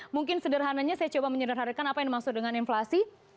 mungkin sederhananya saya coba menyederhanakan apa yang dimaksud dengan inflasi